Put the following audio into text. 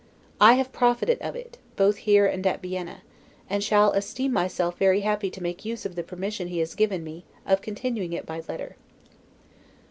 I have profited of it, both here and at Vienna; and shall esteem myself very happy to make use of the permission he has given me of continuing it by letter."